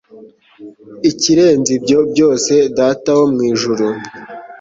Ikirenze ibyo byose Data wo mu ijuru